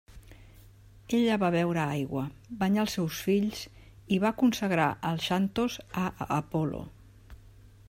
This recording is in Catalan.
Ella va beure aigua, banyà els seus fills i va consagrar el Xantos a Apol·lo.